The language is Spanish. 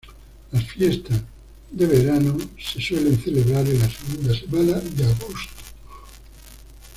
Las fiestas de verano se suelen celebrar en la segunda semana de agosto.